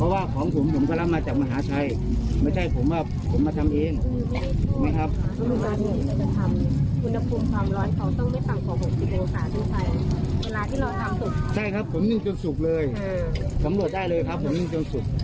เวลาที่เราทำสุกใช่ครับผมนิ่งจนสุกเลยสำรวจได้เลยครับผมนิ่งจนสุก